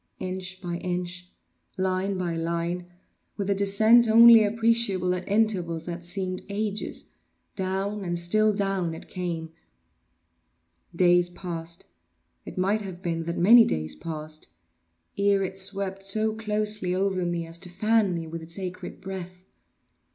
Inch by inch—line by line—with a descent only appreciable at intervals that seemed ages—down and still down it came! Days passed—it might have been that many days passed—ere it swept so closely over me as to fan me with its acrid breath.